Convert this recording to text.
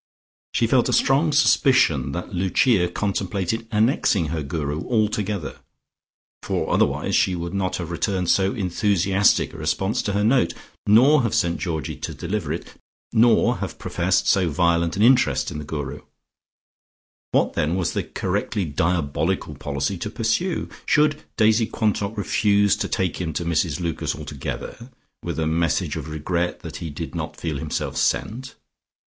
She felt a strong suspicion that Lucia contemplated annexing her Guru altogether, for otherwise she would not have returned so enthusiastic a response to her note, nor have sent Georgie to deliver it, nor have professed so violent an interest in the Guru. What then was the correctly diabolical policy to pursue? Should Daisy Quantock refuse to take him to Mrs Lucas altogether, with a message of regret that he did not feel himself sent?